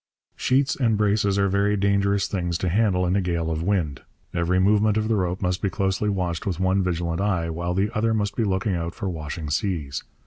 Sheets and braces are very dangerous things to handle in a gale of wind. Every movement of the rope must be closely watched with one vigilant eye, while the other must be looking out for washing seas.